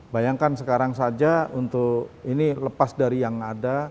bayangkan sekarang saja untuk ini lepas dari yang ada